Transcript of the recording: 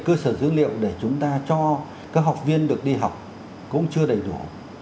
cơ sở dữ liệu để chúng ta cho các học viên được đi học cũng chưa đầy đủ